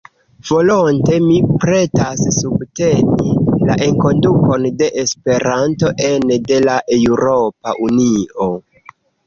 Volonte mi pretas subteni la enkondukon de Esperanto ene de la Eŭropa Unio.